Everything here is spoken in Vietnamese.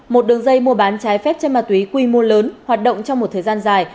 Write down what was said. một đường dây mua bán trái phép trên ma túy quy mô lớn hoạt động trong một thời gian dài